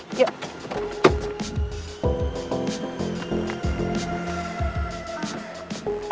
oke kita turun dulu